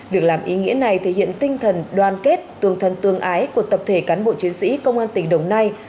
việc làm ý nghĩa này thể hiện tinh thần đoàn kết tương thân tương ái của tập thể cán bộ chiến sĩ công an tỉnh đồng nai